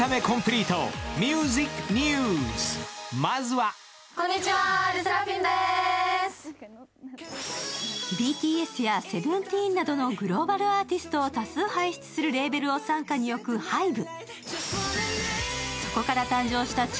まずはＢＴＳやＳＥＶＥＮＴＥＥＮなどのグローバルアーティストを多数輩出するレーベルを傘下に置くＨＹＢＥ。